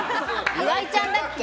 岩井ちゃんだっけ？